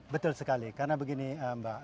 betul sekali karena begini mbak